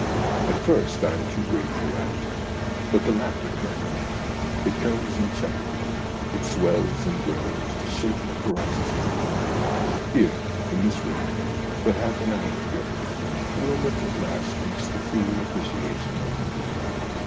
At first I am too great for laughter, but the laughter comes. It comes in chuckles ; it swells and grows to shaking paroxysms. Here, in this room, but half an hour ago, Wylmot at last reached the full appreciation of me.